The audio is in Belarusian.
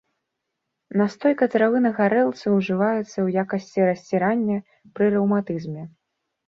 Настойка травы на гарэлцы ўжываецца ў якасці расцірання пры рэўматызме.